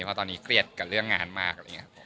เพราะตอนนี้เกลียดกับเรื่องงานมาก